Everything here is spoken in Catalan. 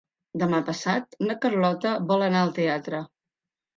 Demà passat na Carlota vol anar al teatre.